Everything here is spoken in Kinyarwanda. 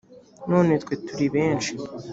none twe turi benshi